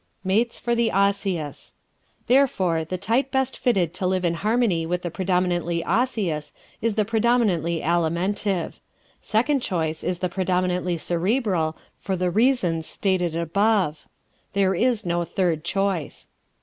Mates for the Osseous ¶ Therefore the type best fitted to live in harmony with the predominantly Osseous is the predominantly Alimentive. Second choice is the predominantly Cerebral, for the reasons stated above. There is no third choice.